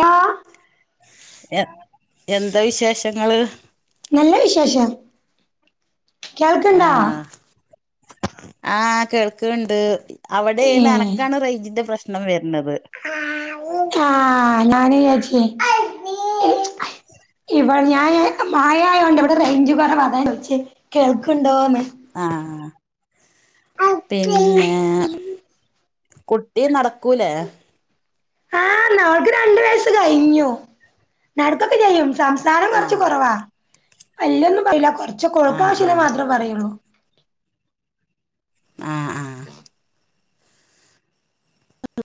യാ എ എന്താ വിശേഷങ്ങള്? നല്ല വിശേഷം കേൾക്കണ്ടാ ആഹ ആ കേൾക്ക്ണ്ട് ഏ അവിടെയാണ് അനക്കാണ് റേഞ്ചിന്റെ പ്രശ്നം വര്ന്നത് ആ ഞാന് ചാരിച്ച് [inaudible] ഇവടെ ഞാൻ മായായോണ്ട് ഇവിടെ റേഞ്ച് കുറവ താ ചോയിച്ചെ കേൾക്ക്ണ്ടോന്ന്. ആഹ പിന്നെ കുട്ടി നടക്കൂലേ ആഹ് ഓൾക്ക് രണ്ട് വയസ്സ് കഴിഞ്ഞു. നടക്കൊക്കെ ചെയ്യും. സംസാരം കുറച്ച് ആഹ് കുറവാ എല്ലൊന്നും പറയില്ല കൊറ പക്ഷെ ആഹ് ഓൾക്കാവശ്യേള്ള ആഹ് മാത്രേ പറയുള്ളൂ. അഹ് അഹ്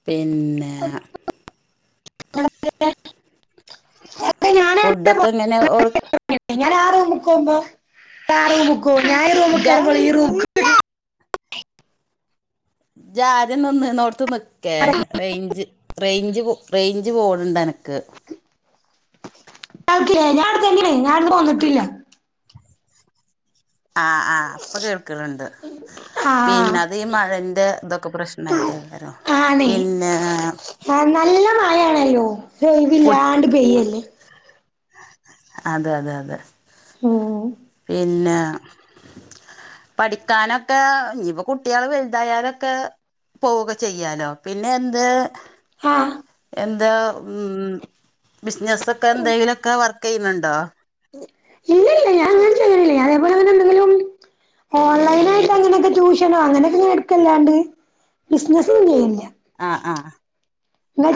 പിന്നെ ന [unintelligible] ഫുഡൊക്കെ എങ്ങനെ ഞാ ആ റൂമുമ്പോ ആ റൂ ഞ ഇജാ റൂമോ ഈ റൂ [unintelligible] ജ് ആദ്യം നിന്ന് നോട്ത്ത്ന്ന് ക്കേ റേഞ്ച് റേഞ്ച് റേഞ്ച് പോണ്ണ്ട് അനക്ക് ഞാന അടുത്തനെയ ഞാനടുന്ന് പോന്നിട്ടില്ല അഹ് ആഹ് ഇപ്പൊ കേൾക്ക്ണണ്ട് പിന്നെ ആഹ് അതീ മഴന്റെ ഇതൊക്കെ പ്രശ്നായിട്ട [inaudible] പിന്നെ ഹാ നല്ല മഴയാണല്ലോ കു ഇതൊഴുവില്ലാണ്ട് പെയ്യല്ലേ. അതെ അതെ അതെ. ഉം പിന്ന പഠിക്കാനൊക്കെ ഇനിപ്പ കുട്ട്യാള് വെലുതായാലൊക്കെ പോവുക്കെ ചെയ്യാലോ പിന്നെ എന്ത് [unintelligible] എന്താ ഉം ബിസ്നെസൊക്കെ എന്തെയ്ലൊക്കെ വർക്കെയ്യുന്ന്ണ്ടോ? ഇല്ലില്ല ഞാൻങ്ങനേചെയ്യണില്ല ഞാനെവെടെ [unintelligible] പ്പിലും ഓൺലൈനായിട്ടങ്ങനെക്കെ ട്യൂഷനോ അങ്ങനെക്കെ ഞാൻ എട്ക്കല്ലാണ്ട് ബിസ്നെസ് ചെയ്യണില്ല. ആഹ് ആഹ്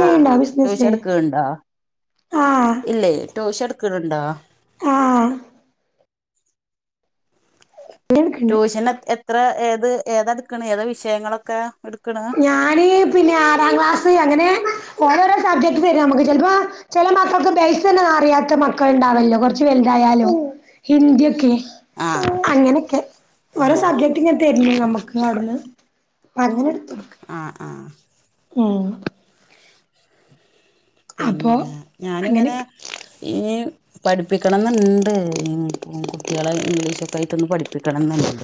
ആഹ് ആഹ് ബിസിനസ് ട്യൂഷെടുക്ക്‌ണ്ടാ? ആഹ് ഇല്ലേ ട്യൂഷടുക്കണ് ണ്ടോ? ആഹ് ഇങ്ങള് എടുക്ക്ണ്ട് ട്യൂഷനെ എത്ര ഏത് ഏതാടുക്കണെ ഏത വിഷയങ്ങളൊക്കെ എടുക്കണ്? ഞാന് പിന്നെ ആറാം ക്ലാസ് അങ്ങനെ ഓരോരോ സബ്ജക്ട് തര നമക്ക് ചെലപ്പോ ചെല മക്കൾക്ക് ബേയ്സന്നെ അറിയാത്ത മക്കൾണ്ടാവല്ലോ കൊറച്ച് വെൽതായാലും. ഹിന്ദിയൊക്കെ ആ അങ്ങനെക്കെ വെറും ആ ഓരോ സബ്ജെക്ട് പിന്നെ തരില്ലേ നമക്ക് അടന്ന് [unintelligible] ആ ആ ഉം അപ്പൊ പിന്നെ ഞാനിങ്ങനെ അങ്ങനെയൊക്കെ ഇനി പഠിപ്പിക്കണന്ന്ണ്ട് കുട്ടികളെ ഇംഗ്ലീഷൊക്കായിട്ടൊന്ന് പഠിപ്പിക്കണന്ന്ണ്ട്.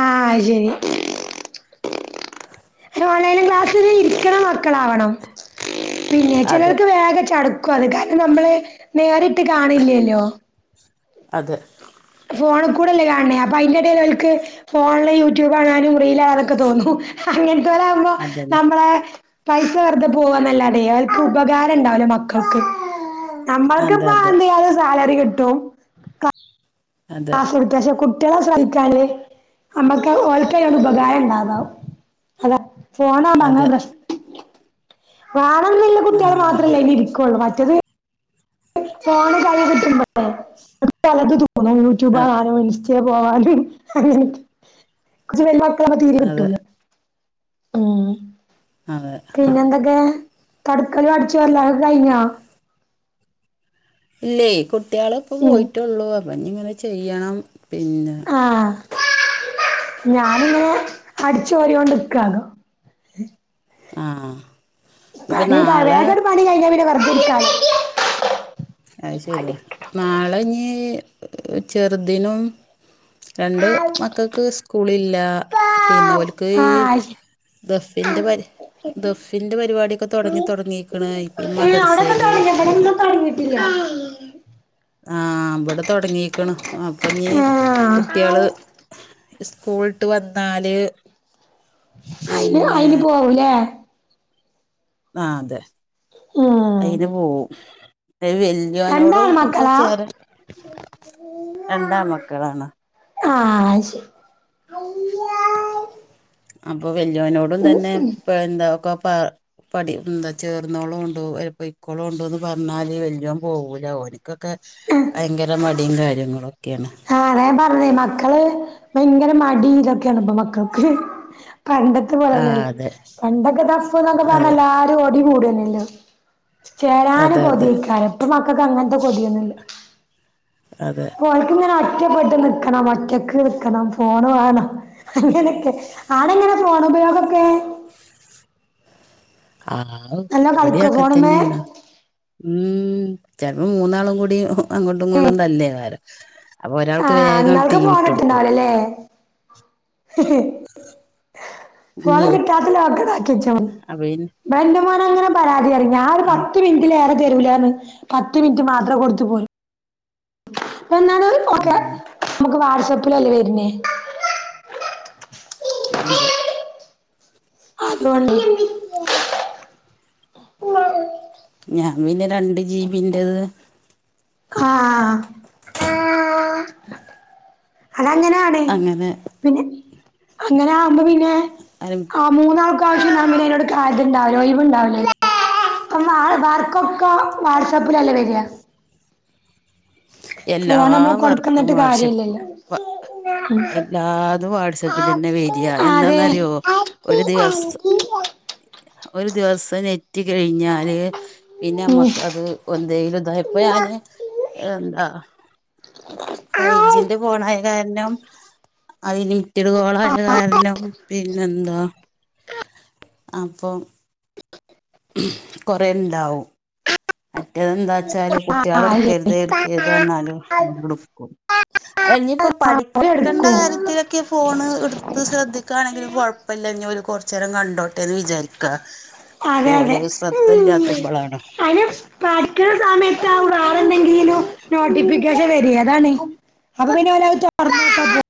ആഹ് അയ്ശെരി. ഓൺലൈനും ക്ലാസിലിരിക്കണ മക്കളാവണം പിന്നെ അതെ ചെലർക്ക് വേഗം ചട ക്കുവത് കാരണം നമ്മളെ നേരിട്ട് കാണില്ലല്ലോ. അതെ. ഫോണികൂടല്ലേ കാൺണേ അപ്പയ്ന്റെടേലോല്ക്ക്‌ ഫോൺല് യൂട്യൂബാണാനും പ്പൊ റീൽ കാണാനൊക്കെ തോന്നു അങ്ങേൻത്തോരാകുമ്പ അതന്നെ നമ്മളെ പൈസ വെറുതെ പോവാന്നല്ലാതെ അവൽക്ക് ഉപകാരണ്ടാവില്ല മക്കൾക്ക്. അതെ നമ്മൾക്കിപ്പ അതെ എന്ത്ചെയ്താലും സാലറി കിട്ടും. [unintelligible] അതെ പഷെ കു കുട്ട്യാളെ ശ്രെദ്ധിച്ചാല് അമ്മക്ക് ഓൽക്കയാണ് ഉപകാരണ്ടാവാ അതാ. ഫോണാമ്പങ്ങനെ അതെ പ്രേശ് വണന്നുള്ള ആ കുട്ട്യാള് അതെ മാത്രല്ലേ അയിലിരിക്കള്ളൂ മറ്റത് ഫോണ് കയ്യികിട്ടുമ്പോ ഓക്ക് പലത് [unintelligible] യൂട്യൂബാ അ- കാണാ ഇൻ ച്ചെ പോവാല് അങ്ങനെക്കെ കൊറച്ച് വെല്ല്യ മക്കളാമ്പ തീരേ അതെ കിട്ടൂല. അതെ. പിന്നെന്തക്കെ തൊടക്കലു അടിച്ചു വാരലു ക്കെ കഴിഞ്ഞോ? ഇല്ലേ കുട്ടികളിപ്പ ഉം പോയിട്ടൊള്ളൂ അപ്പ നിങ്ങനെ ചെയ്യണം പിന്നെ ആഞാനിങ്ങനെ അടിച്ചുവാരിയൊണ്ടിക്കാണ്. ആ. ഇപ്പം പണി കാ നാളെ വേഗങ്ങട്ട് പണിം കഴിഞ്ഞാ പിന്നെ വെർതിരിക്കലോ. അയ് ശെരിയാ നാളെനീ ചെറുതിനും രണ്ടു മക്കക്ക് സ്കൂളില്ല പിന്നെ ഓല്ക്ക് ഈ ആഹ് ദഫിൻ്റെ പര് ശരി ദഫിന്റെ പരിപാടിക്കെ തൊടങ്ങി തൊടങ്ങിക്കണ് ഇപ്പഈ മദ്രസയിൽ ഇല്ല ആഇമ്പടെ തൊടങ്ങിക്കണ് അപ്പഞ്ഞീ ആഹ് കുട്ട്യാള് സ്കൂളിട്ട് വന്നാല് അയിന് പിന്നെ അയിന് പോവൂലേ! ആ അതെ ഉം അയിന് പോവും. അതിൽ രണ്ടാൺ ജോനോടും ഒക്കെ മക്കളാ ചേരൽ രണ്ടാമ്മക്കളാണ്. ആ അയ്ശരി. അപ്പൊ വല്ല്യോനോടും തന്നെ ഇപ്പന്താ ഒക്കെ പറ ഇപ്പടി എന്താ ചേർന്നോളൂണ്ടോ അല്ല പോയ്ക്കോളുണ്ടോന്ന് പറഞ്ഞാല് വല്ല്യോൻ പോകൂല ഓന് ഇതൊക്കെ ഭയങ്കര മടിയും കാര്യങ്ങളൊക്കെയാണ്. ആ അതാ ഞാൻ പറഞ്ഞേ മക്കള് ഭയങ്കര മടി ഇതൊക്കെയാണ് ഇപ്പൊ മക്കൾക്ക്. പണ്ടത്ത ആ പോലൊന്നല്ല അതെ പണ്ടൊക്കെ ദ ഫ്ന്നൊക്കെ പറഞ്ഞ അതെ എല്ലാരും ഓടി കൂടന്നല്ലോ ചേരാന് അതെ അതെ കൊതിയക്കാരം ഇപ്പ മക്കൾക്ക് അങ്ങൻത്തെ കൊതിയൊന്നുമില്ല. അതെ. ഒല്ക്കിങ്ങനെ ഒറ്റപ്പെട്ട് നിക്കണം ഒറ്റക്ക് നിക്കണം ഫോണ് വാണം. അങ്ങനെയൊക്കെ ആടെങ്ങനെ ഫോണുപയോഗൊക്കെ അമ്മോ നല്ലോ കളിക്കോ ഫോണുമ്മേ ഇവിടെയങ്ങൻതന്നെയാണ്. മ്മ് ചെലപ്പോ മൂന്നാളും കൂടി അങ്ങോട്ടും ഏ ഇങ്ങോട്ടും തല്ലേകാരം. അപ്പൊ ആ ഒരാൾക്ക് വേഗം ഇങ്ങൾക്ക് ടി വി ഇട്ട് കൊടുക്കും ഫോണിട്ടണിണ്ടാവില്ലല്ലേ മ് ഹ് ഫോണ്കിട്ടാത്തലോക്കതാക്കി വച്ചാ മതി. അഭയന് [unintelligible] ബല്ല്യമോനങ്ങനെ പരാതി പറയും ഞാൻ ഒരു പത്ത് മിനിറ്റിലേറെ തരൂലാന്ന് പറഞ്ഞു പത്ത് മിനിറ്റ് മാത്രെ കൊടുത്ത് പോരും. എന്നാലും ആ ഇതൊക്കെ നമുക്ക് വാട്സപ്പിലല്ലേ വരനു അതെ. അതുകൊണ്ട്. ഞാൻ പിന്നെ രണ്ട് ജീബിൻ്റേത് ആ അതങ്ങനെയാണ്. അങ്ങനെ- പിന്നെ അങ്ങനെയാകുമ്പോ പിന്നെ അലോ [unintelligible] [inaudible] ആ മൂന്നാൾക്കാര് നിന്നാൽ പിന്നേ അതിനങ്ങട്ടു കാര്യം ഉ ണ്ടാവില്ല ഒഴിവുണ്ടാവില്ലലേ ഇപ്പ വർക്കൊക്കെ വാട്സാപ്പിലല്ലേ വര. ഫോൺ നമ്മൾ എല്ലാവർക്കും കൊടുക്കുന്നിട്ട് വർഷപ്പ് കാര്യമില്ലല്ലോ പ. ഉം. എല്ലാതും വാട്സപ്പിലന്നെ വര അതെ എന്നാന്നറിയോ ഉം ഒരു ദിവസം ഒരു ദിവസം നെറ്റ് കഴിഞ്ഞാല് പിന്നെമ്മക്ക് അത് ഒ ന്തേലു ഇതായിപ്പോയഇപ്പോഞാൻ എന്താ ഫൈജിന്റെ ഫോണയത് കാരണം അയില് ഇത് കോളായ കാരണം പിന്നെന്താ അപ്പം കാെറേണ്ടാവും മറ്റെതെന്താച്ചാല് കുട്ട്യാള് ആര് ട്ക്കെര്ത് ഇട്ക്കെര് ന്ത് പർഞ്ഞാലും ഓല്ട്ക്കും അല്ല ഇഞ്ഞിപ്പം പഠിക്കണ്ട എടുക്കും കാര്യ ത്തിലെക്കെ ഈ ഫോണ് ഇട്ത്ത് ശ്രദ്ധിക്കാണെങ്കിലും കാെഴപ്പല്ല ഇഞ്ഞ് ഓല് കൊർച്ചേരം കണ്ടോട്ടെന്ന് വിചാരിക്കാ അതെ അതെ ഓല് ശ്രെദ്ധയില്ലാത്തപ്പളാണ് പഠിക്ക്ണ സമയത്താവും വാറെന്തെങ്കിലും നോട്ടിഫിക്കേഷൻ വര്യേ അതാണ് അപ്പ പിന്നോലത് തൊ ർക്ക [unintelligible]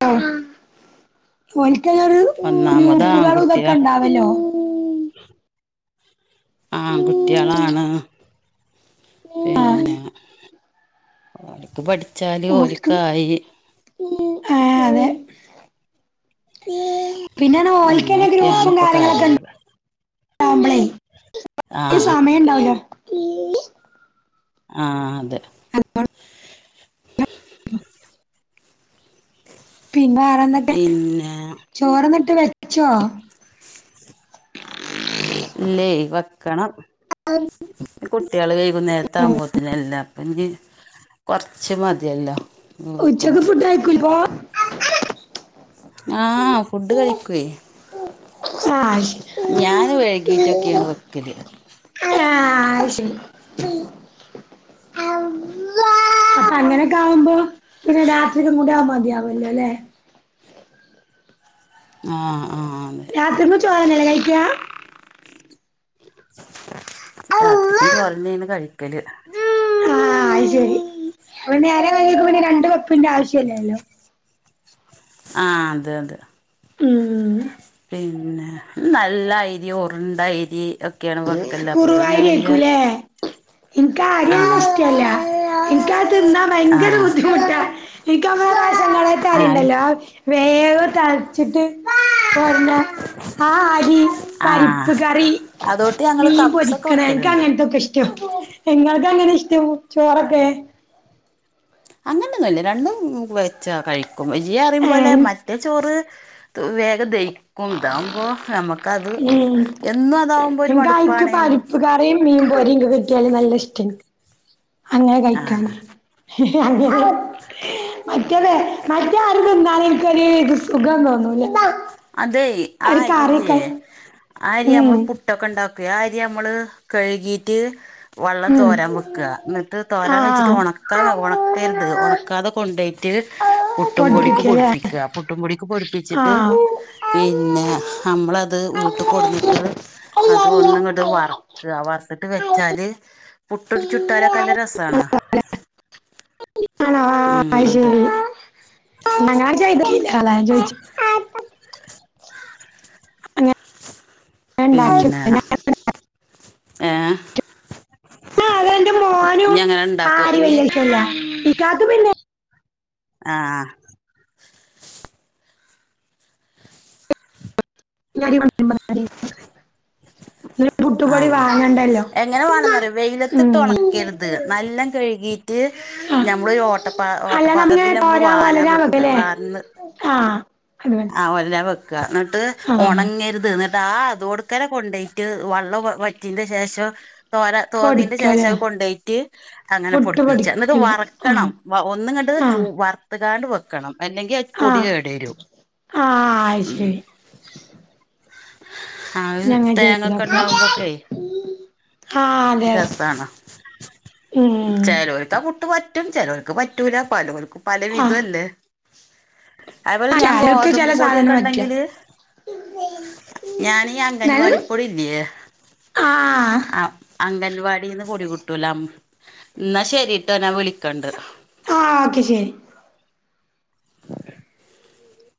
ഓനിക്കയിനൊരു ഒന്നാമത് ഗ്രൂപ്പുകളും ആൺകുട്ടിയ ഇതൊക്കെ ഇണ്ടാവല്ലോ,? ആങ്കുട്ട്യാളാണ് ആഹ് പിന്നെ ഓൽക്ക് പഠിച്ചാല് ഓല്ക്കായി ഏഹ് അതെ പിന്നേർഞ്ഞാ ഓൽക്കെന്നെ അങ്ങനെയൊക്കെയാണ് ഗ്രൂപ്പും ഇപ്പൊ കാര്യങ്ങളൊക്കെ കാര്യങ്ങള് ണ്ടാവുമ്പളേ ആഹ് സമയം ണ്ടാവൂലാ ആഹ് അതെ [unintelligible] പിന്നെ പിന്നേ ചോറെന്നിട്ട് വെച്ചോ ഇല്ലേ വെക്കണം കുട്ട്യേള് വെയ്കുന്നേര്ത്താവുമ്പോത്തിനല്ലെ അപ്പെഞ്ഞ് കൊർച്ച് മത്യല്ലോ ഉച്ചക്ക് ഫുഡ് കയ്ക്കൂൽ വോ ആഹ് ഫുഡ്ഡ് കയ്ക്ക്വേ സ്നാഷ് ഞാന് വെഴ്കീട്ടൊക്കേണ് വെക്കെല് ആഹ് അത് ശെരി ങ്ങെനെക്കാവുമ്പോ പിന്നെ രാത്രിക്കും കൂടെ അത് മത്യാവാെല്ലെലേ ആഹ് ആഹ് അതെ ചോറെന്നെല്ലെ കയ്ക്കാ രാത്രിക്കും ചോറെന്നേണ് കഴിക്കല് ആഹ് അയ്ശെരി പിന്നേരാ വൈ [unintelligible] ക്ക് പിന്നെ രണ്ട് വെപ്പിന്റെ ആവശ്യല്ലല്ലോ ആഹ് അതെ അതെ ഉം പിന്നെ നല്ല അയ്രി ഉർണ്ടയ്രി കുറുവായ്ര്യേക്കുലേ ഇൻക്കാ അര്യെന്നെ ആഹ് ഇഷ്ടെല്ലാ ഇൻക്കത് തിന്നാ ഭയെങ്കെര ആഹ് ബുദ്ധിമുട്ടാ ഇൻക്കമ്മളെ റേഷൻ കടേത്തെ ആഹ് അരിണ്ടല്ലോ അത് വേഗം തൾച്ച്ട്ട് പൊന്നാ [unintelligible] ആഹ് അരി പരിപ്പ് കറി അതോ മീൻ പൊരിക്ക്ണേ ഇൻക്കങ്ങൻത്തൊക്കെ ഇഷ്ടം ഇങ്ങൾക്കെങ്ങെനെ ഇഷ്ടം ചോറൊക്കെ അങ്ങനൊന്നുല്ല രണ്ടും വെച്ചാ കഴിക്കും ഈയ്യറിം ഏ പോലെ ഉം മറ്റേ ചോറ് ത് വേഗം ദെയി ക്കും താവുമ്പോ നമ്മക്കത് എന്നും അതാവുമ്പോ ഒര് എനിക്ക് അയിക്ക് മട്പ്പാണേനും [unintelligible] മീൻ പോരിക്കെ കിട്ട്യാല് നല്ലെ ഇഷ്ട്ടാ ഇൻക്ക് അങ്ങെനെ ആ കഴിക്കാന് അ [unintelligible] മറ്റെതേ മറ്റേ അരി തിന്നാല് ൻക്കൊര് സുഖം തോന്നൂലാ അതേ ആ അരില്ല്യേ ആ അരി ഞമ്മള് ഉം പു ട്ടൊക്കെണ്ടാക്കെ ആ അരി ഞമ്മള് കഴ്കീറ്റ് വള്ളം ഉം തോരാം വെക്കാ ന്നട്ട് തോരാം വെച്ചിട്ട് ആഹ് ഒണക് ക്കാതെ ഒണെക്കെര്ത് ഒണക്കാതെ കൊണ്ടോയ്ട്ട് പുട്ടും പൊടിക്ക് പൊടിപ്പിക്കല്ലേ പൊടിപ്പിക്കുക പുട്ടും പൊടിക്ക് പൊടിപ്പിച്ചിട്ട് ആഹ് ആണോ പിന്നെ നമ്മളത് വീട്ട് കൊടന്നിട്ട് അത് ഒന്നുങ്ങട്ട് ആഹ് വറക്ക വറത്തിട്ട് വെച്ചാല് പുട്ടൊട് ചുട്ടാലൊക്കെന്ത് രസാണോ അയ് ശരി എന്നാ ഞാൻ ചെയ്തിട്ടില്ല അല്ല ഞാൻ ചോയിച്ചെ അങ്ങനെ ഉണ്ടാക്കി പിന്നെ ഞങ്ങള് ഏഹ് ണതെന്റെ മോനും ഉണ്ടാക്കും ആടി ഇനി വല്യയിഷ്ടല്ല ഇക്കാക്ക് പിന്നെ ആഹ് [unintelligible] ഒരു പുട്ടുപൊടി ആഹ് വാങ്ങണ്ടല്ലോ എങ്ങനെ വേണന്നറിയോ വെയിലത്തിട്ട് ഉം ഒണക്കരുത് നല്ലൊം കഴുകി ട്ട് ആ ഞമ്മളൊരു ഓട്ടപ്പ അല്ല നമ്മളിങ്ങനെ ഓട്ടപാത്രത്തില് മ്മള് തോരാൻ വാരാൻ പോലരാൻ വെക്കുക വെക്കല്ലേ വാർന്ന് ആഹ് അത് മതി ആഹ് ഒലരാൻ വെക്ക എന്നിട്ട് ആഹ് ഉണങ്ങരുത് ന്നിട്ട് ആഹ് അതോട് അക്കരെ കൊണ്ടെയിറ്റ് വള്ളം വറ്റീന്റെ ശേഷം തോര തോന്നീന്റെ പൊടിക്കലേ ശേഷം കൊണ്ടെയിറ്റ് അങ്ങനെ പുട്ട് പൊട്പ്പീച്ച് ന്ന്ട്ട് പൊടിക്കലേ ആഹ് വറക്കണം വ ഒന്നും ങ്ങണ്ട് ചൂ ആഹ് വർ ത്ത്കാണ്ട് വെക്കണം അല്ലെങ്കി അവ് പൊടി ആഹ് കേടരും ആഹ് അയ് ശരി ഹാവ് ഞങ്ങ തേങ്ങക്കെ ചെയ്തോക്കാം ണ്ടാവുമ്പൊക്കെ ആഹ് അതെ അതെ രസാണ് ഉം ചെലോൽ ഇത്ത പുട്ട് പറ്റും ചെലോർക്ക് പറ്റൂല പലോർക്കും പല വിധൊല്ലേ ആഹ് ഗോതമ്പ് ചെല സാധനം പറ്റില്ല പൊടിക്കെണ്ടെങ്കില് ഞാനീ എന്നാലും അംഗൻവാടി പ്പൊടില്ലിയേ ആഹ് അഹ് അംഗൻവാടീന്ന് പൊടി കിട്ടുല്ലോ അം ന്നാ ശരീട്ടോ ഞാൻ വിളിക്കണ്ട് ആഹ് ഓക്കെ ശരി